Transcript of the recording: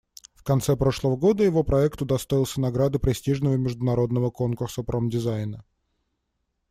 В конце прошлого года его проект удостоился награды престижного международного конкурса промдизайна.